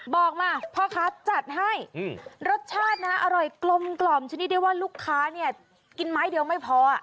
บอกมาพ่อค้าจัดให้รสชาตินะอร่อยกลมกล่อมชนิดได้ว่าลูกค้าเนี่ยกินไม้เดียวไม่พอ